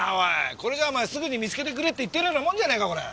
これじゃあお前すぐに見つけてくれって言ってるようなもんじゃねえかこれ。